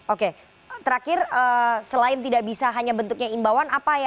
oke terakhir selain tidak bisa hanya bentuknya imbauan